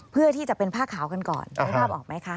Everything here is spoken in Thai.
เพื่อที่จะเป็นผ้าขาวกันก่อนนึกภาพออกไหมคะ